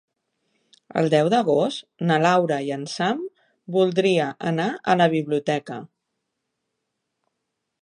El deu d'agost na Laura i en Sam voldria anar a la biblioteca.